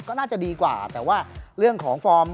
ก็น่าจะดีกว่าแต่ว่าเรื่องของฟอร์ม